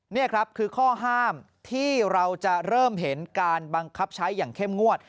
นี่ครับคือข้อห้ามที่เราจะเริ่มเห็นการบังคับใช้อย่างเข้มงวด